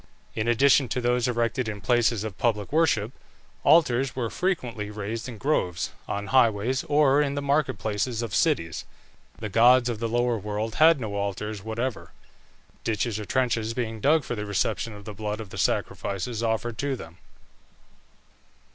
In addition to those erected in places of public worship, altars were frequently raised in groves, on highways, or in the market places of cities. The gods of the lower world had no altars whatever, ditches or trenches being dug for the reception of the blood of the sacrifices offered to them.